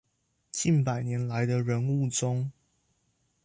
近百年來的人物中